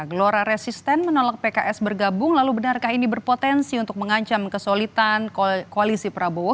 gelora resisten menolak pks bergabung lalu benarkah ini berpotensi untuk mengancam kesulitan koalisi prabowo